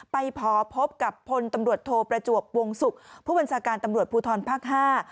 ไปขอพบกับพลตำรวจโทประจวบวงศุกร์ผู้บัญชาการตำรวจภูทรภาคห้า